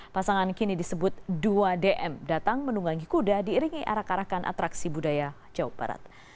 pasangan kini disebut dua dm datang menunggangi kuda diiringi arak arakan atraksi budaya jawa barat